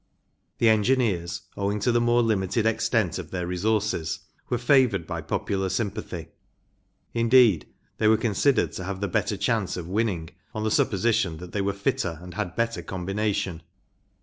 The Engineers, owing to the more limited extent of their resources, were favoured by popular sympathy ; indeed, they were con¬ sidered to have the better chance of winning, on the supposition that they were fitter and had better combination.